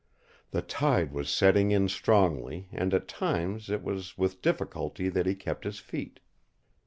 The tide was setting in strongly and at times it was with difficulty that he kept his feet.